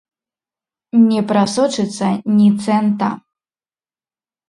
Не прасочыцца ні цэнта!